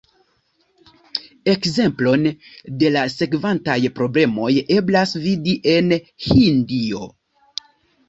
Ekzemplon de la sekvantaj problemoj eblas vidi en Hindio.